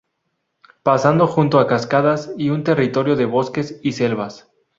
Pasando junto a cascadas y un territorio de bosques y selvas.